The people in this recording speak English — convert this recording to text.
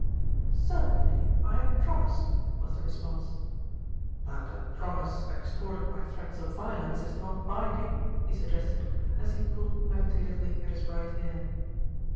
"Certainly, I had promised," was the response. "But a promise extorted by threats of violence is not binding," he suggested as he pulled meditatively at his right ear.